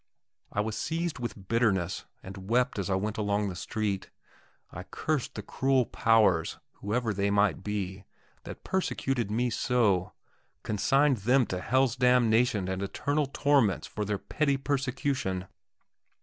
I was seized with bitterness, and wept as I went along the street.... I cursed the cruel powers, whoever they might be, that persecuted me so, consigned them to hell's damnation and eternal torments for their petty persecution.